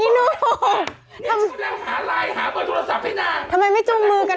ที่มันเข้ามาในรายการก่อน